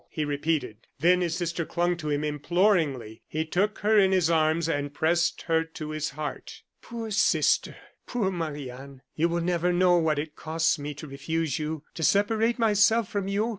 he repeated. Then, as his sister clung to him imploringly, he took her in his arms and pressed her to his heart. "Poor sister poor Marie Anne you will never know what it costs me to refuse you, to separate myself from you.